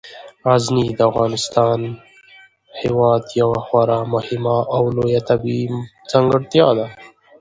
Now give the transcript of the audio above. غزني د افغانستان هیواد یوه خورا مهمه او لویه طبیعي ځانګړتیا ده.